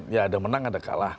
ya ada menang ada kalah